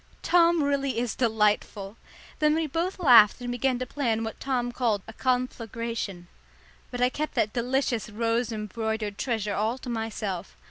Tom really is delightful. Then we both laughed and began to plan what Tom called a conflagration. But I kept that delicious rose embroidered treasure all to myself.